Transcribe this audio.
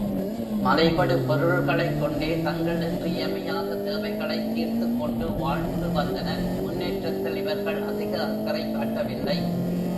மலைபடு பொருள்களைக் கொண்டே தங்கள் இன்றியமையாத தேவைகளைத் தீர்த்துக்கொண்டு வாழ்ந்து வந்தனர், முன்னேற்றத்தில் இவர்கள் அதிக அக்கறை காட்டவில்லை.